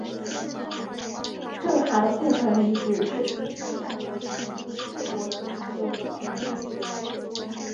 郑韩故城遗址是春秋战国时期郑国及韩国都城的遗址。